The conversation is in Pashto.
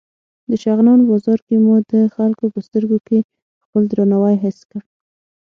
د شغنان بازار کې مو د خلکو په سترګو کې خپل درناوی حس کړ.